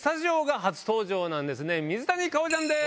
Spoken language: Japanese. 水谷果穂ちゃんです。